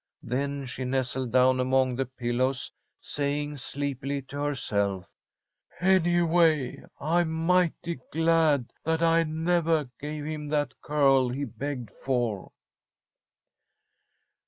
Then she nestled down among the pillows, saying, sleepily, to herself: "Anyway, I'm mighty glad that I nevah gave him that curl he begged for."